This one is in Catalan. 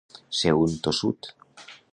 Ser un tossut.